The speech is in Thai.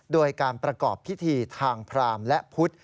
โดยการประกอบพิธีทางพรามและพุทธ